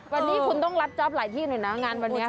วันนี้คุณต้องรับจ๊อปหลายที่หน่อยนะงานวันนี้